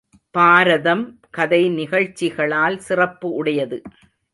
பாரதம் கதை நிகழ்ச்சிகளால் சிறப்பு உடையது.